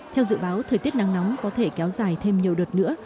theo dự báo thời tiết nắng nóng có thể kéo dài thêm nhiều đợt nữa